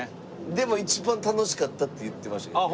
でも一番楽しかったって言ってましたけどね。